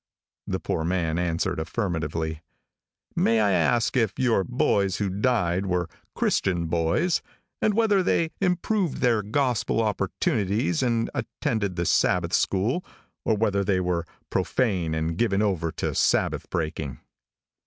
The poor man answered affirmatively. "May I ask if your boys who died were Christian boys, and whether they improved their gospel opportunities and attended the Sabbath school, or whether they were profane and given over to Sabbath breaking?"